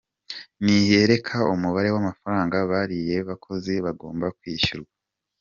Nti nyereka umubare w’amafranga bariya bakozi bagomba kwishyurwa.